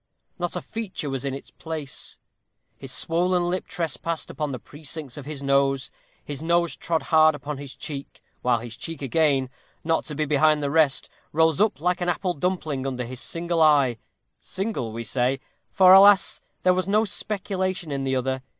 Not a feature was in its place; his swollen lip trespassed upon the precincts of his nose; his nose trod hard upon his cheek; while his cheek again, not to be behind the rest, rose up like an apple dumpling under his single eye, single, we say for, alas! there was no speculation in the other.